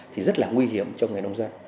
thì rất là nguy hiểm cho người nông dân